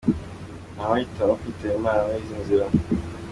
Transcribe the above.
Ntawahitamo kwitaba Imana muri izi nzira.